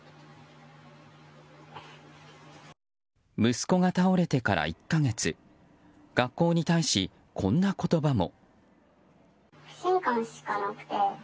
息子が倒れてから１か月学校に対し、こんな言葉も。